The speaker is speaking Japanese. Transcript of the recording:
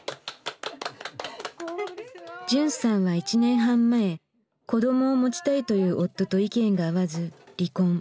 じゅんさんは１年半前子どもを持ちたいという夫と意見が合わず離婚。